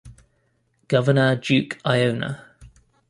Governor Duke Aiona.